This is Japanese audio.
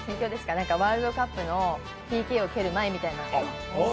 ワールドカップのＰＫを蹴る前みたいな。